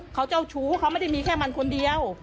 เขาเจ้าชู้เขาไม่ได้มีแค่มันคนเดียว